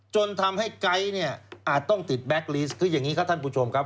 จนทำให้ไก๊เนี่ยอาจต้องติดแบ็คลิสต์คืออย่างนี้ครับท่านผู้ชมครับ